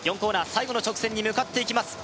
最後の直線に向かっていきます